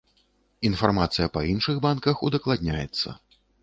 Інфармацыя па іншых банках удакладняецца.